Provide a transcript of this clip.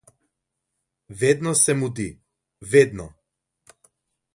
Vedno se mudi, vedno!